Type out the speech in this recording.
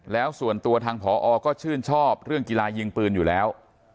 แล้วส่วนตัวทางผอก็ชื่นชอบเรื่องกีฬายิงปืนอยู่แล้ว